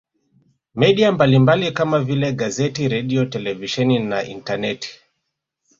Media mbalimbali kama vile gazeti redio televisheni na intaneti